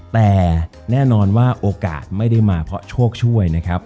แต่แน่นอนว่าโอกาสไม่ได้มาเพราะโชคช่วยนะครับ